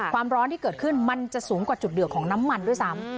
ความร้อนที่เกิดขึ้นมันจะสูงกว่าจุดเดือกของน้ำมันด้วยซ้ำ